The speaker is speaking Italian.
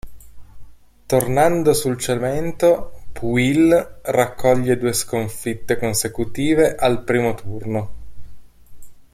Tornando sul cemento, Pouille raccoglie due sconfitte consecutive al primo turno.